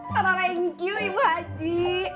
terima kasih ibu haji